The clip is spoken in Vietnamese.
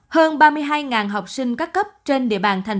hơn ba mươi hai học sinh các cấp trên địa bàn tp hcm